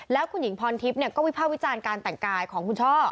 แล้วคุณหญิงพรทิพย์ก็วิภาควิจารณ์การแต่งกายของคุณช่อ